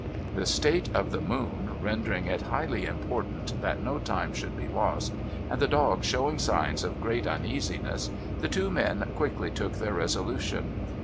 The state of the moon rendering it highly important that no time should be lost, and the dogs showing signs of great uneasiness, the two men quickly took their resolution.